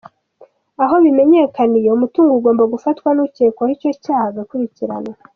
Aho bimenyekaniye uwo mutungo ugomba gufatwa n’ukekwaho icyo cyaha agakurikiranwa.